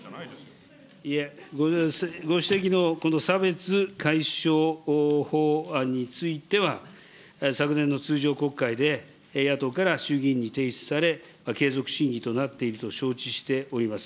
ご指摘のこの差別解消法案については、昨年の通常国会で、野党から衆議院に提出され、継続審議となっていると承知しております。